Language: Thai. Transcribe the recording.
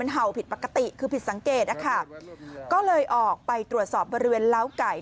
เห่าผิดปกติคือผิดสังเกตนะคะก็เลยออกไปตรวจสอบบริเวณล้าไก่